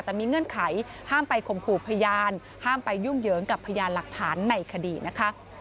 แต่มีเงื่อนไขห้ามไปข่มขู่พยานห้ามไปยุ่งเหยิงกับพยานหลักฐานในคดีนะคะ